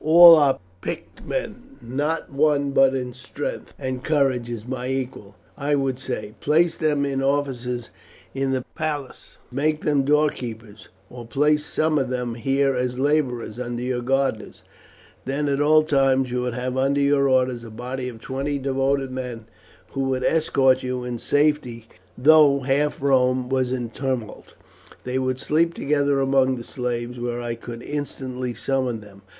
All are picked men, not one but in strength and courage is my equal. I would say, place them in offices in the palace; make them door keepers, or place some of them here as labourers under your gardeners, then at all times you would have under your orders a body of twenty devoted men, who would escort you in safety though half Rome were in tumult. They would sleep together among the slaves, where I could instantly summon them.